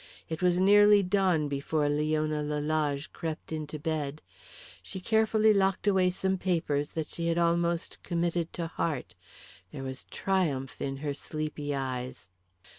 It was nearly dawn before Leona Lalage crept into bed. She carefully locked away some papers that she had almost committed to heart. There was triumph in her sleepy eyes.